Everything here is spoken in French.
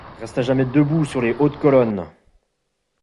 Reste à jamais debout sur les hautes colonnes !